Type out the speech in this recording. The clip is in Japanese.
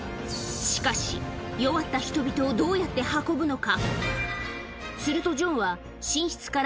しかし、弱った人々をどうやって運ぶのか？